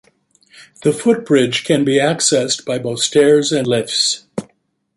The footbridge can be accessed by both stairs and lifts.